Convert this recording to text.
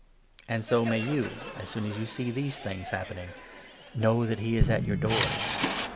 And so may you, as soon as you see these things hap pening, know that he is at your doors.